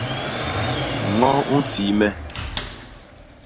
Ño u nsii me.